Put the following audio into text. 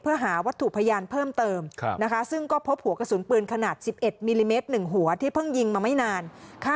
เพื่อหาวัตถุพยานเพิ่มเติมซึ่งก็พบหัวกระสุนปืนขนาด๑๑มิลลิเมตร